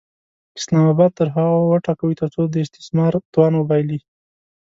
اسلام اباد تر هغو وټکوئ ترڅو د استثمار توان وبایلي.